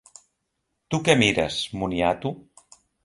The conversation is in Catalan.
Tu què mires, moniato?